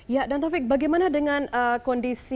ya dan taufik bagaimana dengan kondisi